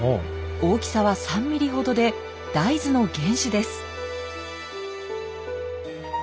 大きさは３ミリほどでダイズの原種です。